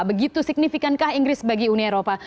begitu signifikankah inggris bagi uni eropa